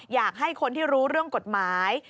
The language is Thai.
อยากให้คนที่รู้เรื่องกฎหมาย